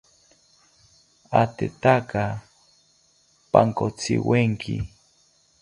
Atetaka pankotziwenki